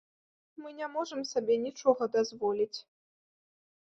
Мы не можам сабе нічога дазволіць.